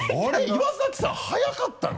岩崎さん速かったの？